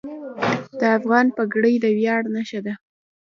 د افغان پګړۍ د ویاړ نښه ده.